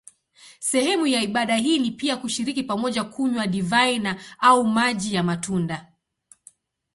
Sehemu ya ibada hii ni pia kushiriki pamoja kunywa divai au maji ya matunda.